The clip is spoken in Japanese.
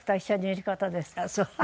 ああそう。